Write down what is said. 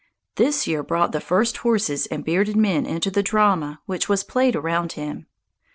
This year brought the first horses and bearded men into the drama which was played around him.